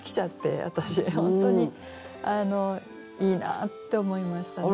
本当にいいなって思いましたね